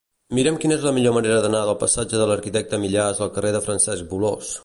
Mira'm quina és la millor manera d'anar del passatge de l'Arquitecte Millàs al carrer de Francesc Bolòs.